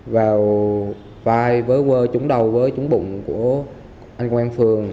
vào vai với chúng đầu với chúng bụng của anh công an phường